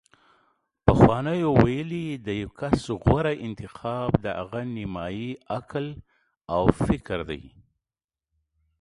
پخوانیو ویلي: د یو کس غوره انتخاب د هغه نیمايي عقل او فکر دی